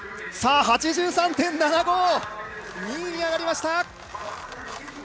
８３．７５で２位に上がりました。